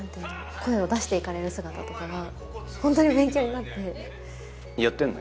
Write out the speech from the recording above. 声を出していかれる姿とかがホントに勉強になってやってんの？